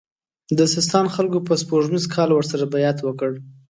د سیستان خلکو په سپوږمیز کال ورسره بیعت وکړ.